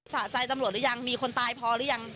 สะใจตำรวจหรือยังมีคนตายพอหรือยัง